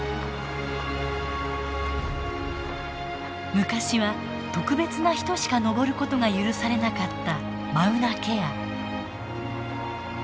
昔は特別な人しか登る事が許されなかったマウナケア。